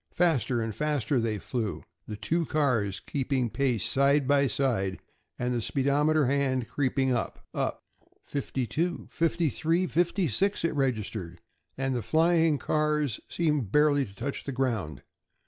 Faster and faster they flew, the two cars keeping pace side by side, and the speedometer hand creeping up up. Fifty two, fifty three, fifty six! it registered, and the flying cars seemed barely to touch the ground.